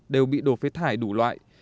đều bị đổ phép thải đủ loại